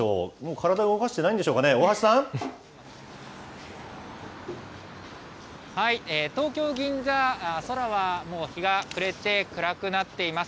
体動かしてないんでしょうかね、はい、東京・銀座、空はもう日が暮れて、暗くなっています。